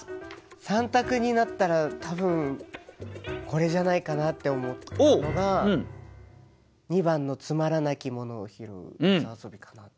３択になったら多分これじゃないかなって思ったのが２番の「つまらなきものをも拾ふ磯遊」かなって。